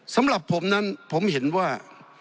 สำหรับผมนั้นผมเห็นว่า